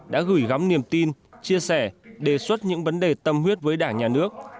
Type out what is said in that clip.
đã gửi gắm niềm tin chia sẻ đề xuất những vấn đề tâm huyết với đảng nhà nước